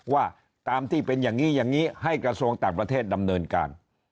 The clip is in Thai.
ว่าตามที่เป็นอย่างนี้อย่างนี้ให้กระทรวงต่างประเทศดำเนินการ